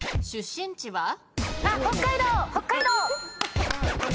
出身地は？